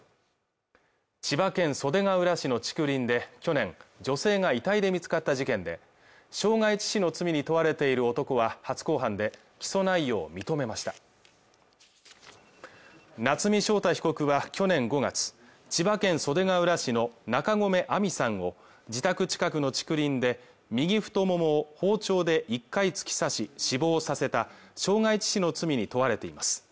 千葉県袖ケ浦市の竹林で去年女性が遺体で見つかった事件で傷害致死の罪に問われている男は初公判で起訴内容を認めました夏見翔太被告は去年５月千葉県袖ケ浦市の中込愛美さんを自宅近くの竹林で右太ももを包丁で１回突き刺し死亡させた傷害致死の罪に問われています